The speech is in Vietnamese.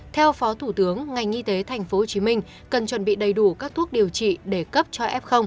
theo phó thủ tướng ngành y tế tp hcm cần chuẩn bị đầy đủ các thuốc điều trị để cấp cho f